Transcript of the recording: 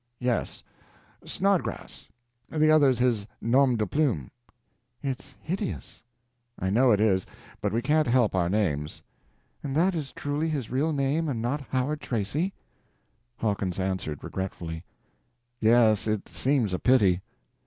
"Yes—Snodgrass. The other's his nom de plume." "It's hideous!" "I know it is, but we can't help our names." "And that is truly his real name—and not Howard Tracy?" Hawkins answered, regretfully: "Yes, it seems a pity."